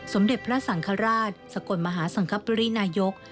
สมเด็จพระสังฆราชสกลมหาสังคปรินายก